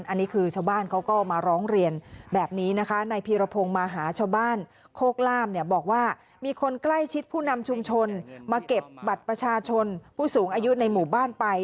อันนี้คือชาวบ้านเขาก็มาร้องเรียนแบบนี้นะคะนายพีรพงศ์มาหาชาวบ้านโคกล่ามเนี่ยบอกว่ามีคนใกล้ชิดผู้นำชุมชนมาเก็บบัตรประชาชนผู้สูงอายุในหมู่บ้านไป